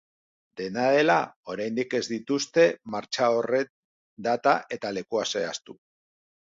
Dena dela, oraindik ez dituzte martxa horren data eta lekua zehaztu.